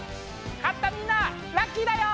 勝ったみんなはラッキーだよ！